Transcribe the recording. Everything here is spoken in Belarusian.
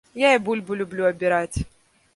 Я і бульбу люблю абіраць.